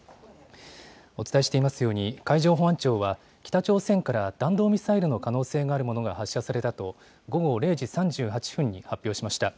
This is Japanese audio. お伝えしていますように海上保安庁は北朝鮮から弾道ミサイルの可能性があるものが発射されたと午後０時３８分に発表しました。